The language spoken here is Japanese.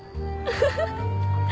フフフ。